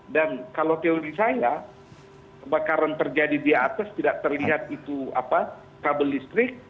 dan kalau teori saya kebakaran terjadi di atas tidak terlihat itu kabel listrik